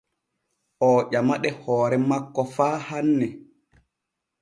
Oo ƴamaɗe hoore makko faa hanne.